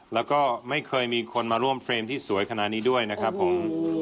แล้วก็ไม่เคยมีคนมาร่วมเฟรมที่สวยขนาดนี้ด้วยนะครับผม